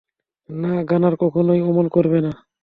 না, গানার কখনোই অমন করবে না।